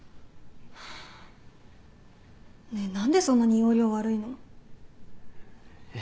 ねえ何でそんなに要領悪いの？えっ？